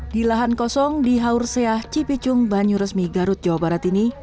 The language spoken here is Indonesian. di lahan kosong di haurseah cipicung banyuresmi garut jawa barat ini